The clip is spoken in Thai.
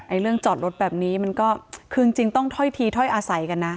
เรื่องจอดรถแบบนี้มันก็คือจริงต้องถ้อยทีถ้อยอาศัยกันนะ